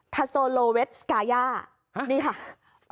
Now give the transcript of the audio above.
ทาโซโลเวสกาย่านี่ค่ะ